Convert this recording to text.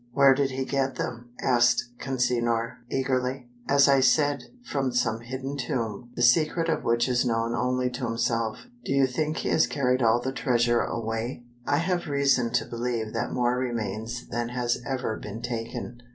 "Where did he get them?" asked Consinor, eagerly. "As I said, from some hidden tomb, the secret of which is known only to himself." "Do you think he has carried all of the treasure away?" "I have reason to believe that more remains than has ever been taken.